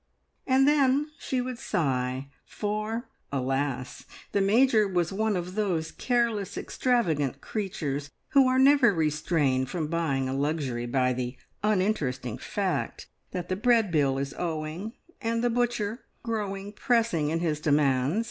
And then she would sigh, for, alas! the Major was one of those careless, extravagant creatures, who are never restrained from buying a luxury by the uninteresting fact that the bread bill is owing, and the butcher growing pressing in his demands.